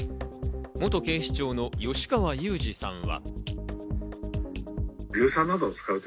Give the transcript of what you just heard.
元警視庁の吉川祐二さんは。